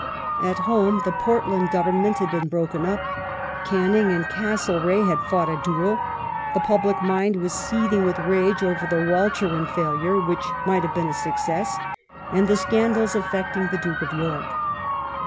At home, the Portland Govern ment had been broken up. Canning and Castlereagh had fought a duel, the public mind was seething with rage over the Walcheren failure, which might have been a success, and the scandals affecting the Duke of York.